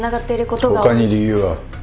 他に理由は？